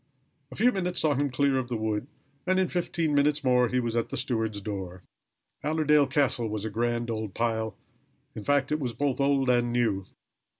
A few minutes saw him clear of the wood, and in fifteen minutes more he was at the steward's door. Allerdale Castle was a grand old pile. In fact it was both old and new.